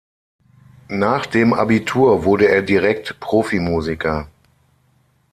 Nach dem Abitur wurde er direkt Profimusiker.